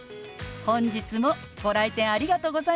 本日もご来店ありがとうございます！